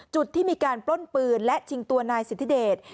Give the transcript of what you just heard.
จุดที่มีการปล้นปืนและชิงตัวนายสิทธิเดช